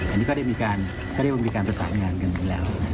อันนี้ก็ได้มีการประสานงานกันอยู่แล้ว